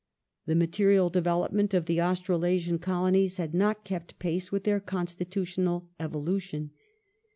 The material development of the Australasian Colonies had not kept pace with their constitutional evolution.